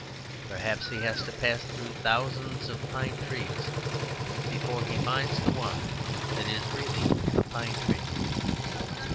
Perhaps he has to pass through thousands of pine trees before he finds the one that is really a pine tree.